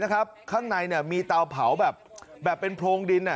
ข้างในมีเตาเผาแบบเป็นโพรงดิน